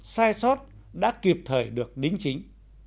sai sót đã kịp thời được đính chính